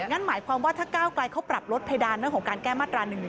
งั้นหมายความว่าถ้าเก้ากล่ายเขาปรับลดเพดานของการแก้มาตรา๑๑๒